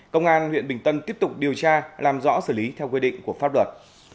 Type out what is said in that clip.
công an huyện bình tân tiếp tục điều tra làm rõ xử lý theo quy định của pháp luật